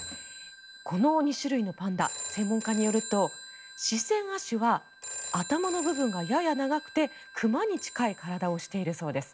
この２種類のパンダ専門家によると四川亜種は頭の部分がやや長くて熊に近い体をしているそうです。